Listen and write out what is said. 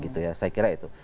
saya kira itu